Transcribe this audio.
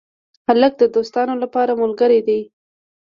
هلک د دوستانو لپاره ملګری دی.